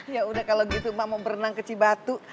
ya udah kalo gitu ma mau berenang keci batu